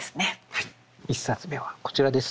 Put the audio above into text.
はい１冊目はこちらです。